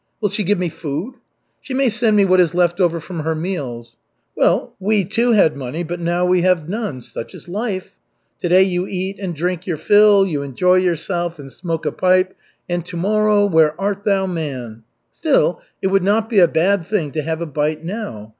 Will she give me food? She may send me what is left over from her meals. Well, we, too, had money, but now we have none. Such is life. To day you eat and drink your fill, you enjoy yourself and smoke a pipe, "'And to morrow where art thou, man?' Still it would not be a bad thing to have a bite now.